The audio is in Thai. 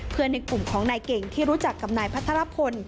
เพื่อนหนึ่งกลุ่มของนายเก่งที่รู้จักกับนายพัทรพล